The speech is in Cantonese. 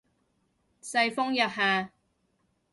世風日下